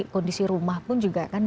kondisi rumah pun juga kan